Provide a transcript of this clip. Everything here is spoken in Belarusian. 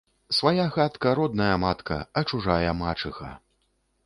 Свая хатка – родная матка, а чужая – мачыха